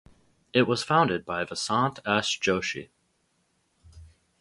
It was founded by Vasant S. Joshi.